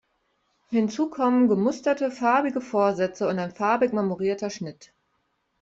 Hinzu kommen gemusterte, farbige Vorsätze und ein farbig marmorierter Schnitt.